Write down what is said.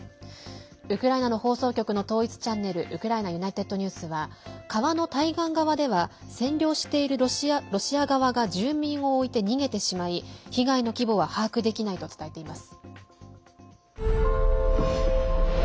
ウクライナの放送局の統一チャンネルウクライナＵｎｉｔｅｄＮｅｗｓは川の対岸側では占領しているロシア側が住民を置いて逃げてしまい被害の規模は把握できないと伝えています。